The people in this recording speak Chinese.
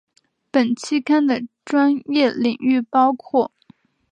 本期刊的专业领域包含